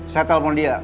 saya telepon dia